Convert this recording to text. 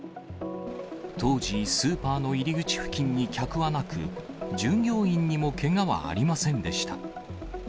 当時、スーパーの入り口付近に客はなく、従業員にもけがはありませんでした。